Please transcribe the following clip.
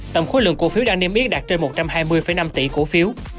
tổng khối lượng cổ phiếu đang niêm yết đạt trên một trăm hai mươi năm tỷ cổ phiếu